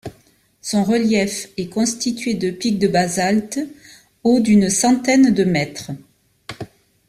Son relief est constitué de pics de basalte hauts d'une centaine de mètres.